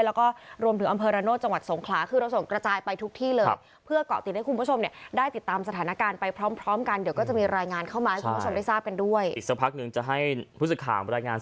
แล้วก็รวมถึงอำเภอระโน่จังหวัดสงคลา